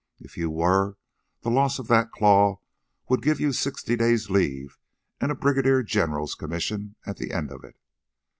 If you were, the loss of that claw would give you sixty days' leave and a brigadier general's commission at the end of it."